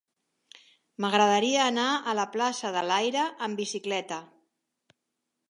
M'agradaria anar a la plaça de l'Aire amb bicicleta.